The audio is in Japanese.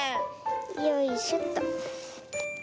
よいしょっと。